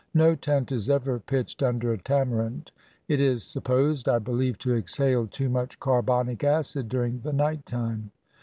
No tent is ever pitched under a tamarind. It is supposed, I be lieve, to exhale too much carbonic acid during the night time.